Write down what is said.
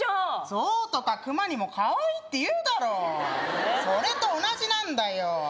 象とか熊にもかわいいって言うだろそれと同じなんだよ